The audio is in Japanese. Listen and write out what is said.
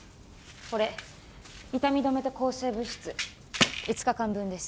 これ痛み止めと抗生物質５日間分です